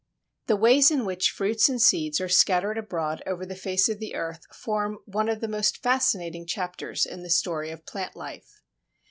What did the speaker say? The ways in which fruits and seeds are scattered abroad over the face of the earth form one of the most fascinating chapters in the story of Plant Life.